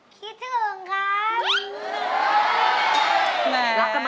คิดถึงครับ